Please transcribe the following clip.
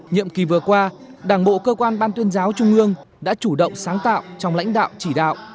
nhiệm kỳ vừa qua đảng bộ cơ quan ban tuyên giáo trung ương đã chủ động sáng tạo trong lãnh đạo chỉ đạo